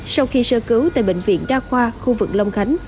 sau khi sơ cứu tại bệnh viện đa khoa khu vực long khánh